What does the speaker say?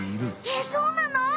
えっそうなの！？